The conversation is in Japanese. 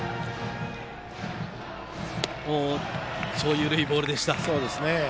緩いボールでした。